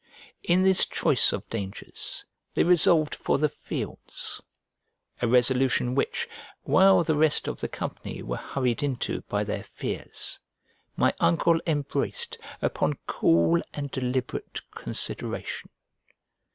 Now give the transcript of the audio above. In this choice of dangers they resolved for the fields: a resolution which, while the rest of the company were hurried into by their fears, my uncle embraced upon cool and deliberate consideration.